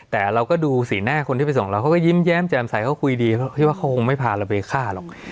แต่เราก็ดูสีหน้าคนที่ไปส่งเราเขาก็ยิ้มแย้มแจ่มใสเขาคุยดีเขาคิดว่าเขาคงไม่พาเราไปฆ่าหรอก